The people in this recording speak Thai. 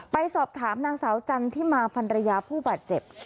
ไปสอบถามนางสาวจันทิมาพันรยาผู้บาดเจ็บ